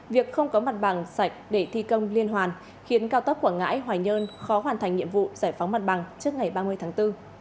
việc không có mặt bằng sạch để thi công liên hoàn khiến cao tốc quảng ngãi hòa nhơn khó hoàn thành nhiệm vụ giải phóng mặt bằng trước ngày ba mươi tháng bốn